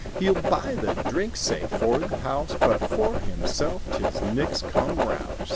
He'll buy the drinks, say, for the house— But for himself 'tis "nichts kom 'raus."